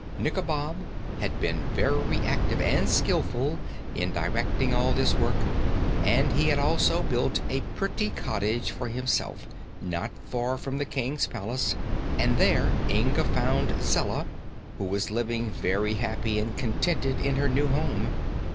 Nikobob had been very active and skillful in directing all this work, and he had also built a pretty cottage for himself, not far from the King's palace, and there Inga found Zella, who was living very happy and contented in her new home.